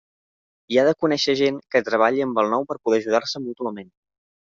I ha de conèixer gent que treballi amb el nou per poder ajudar-se mútuament.